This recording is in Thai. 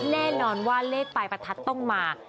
แน่นอนว่าเลขปลายประทัดต้องมา